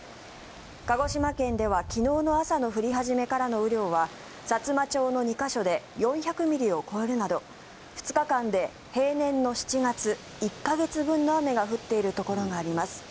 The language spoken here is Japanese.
鹿児島県では昨日の朝の降り始めからの雨量はさつま町の２か所で４００ミリを超えるなど２日間で平年の７月１か月分の雨が降っているところがあります。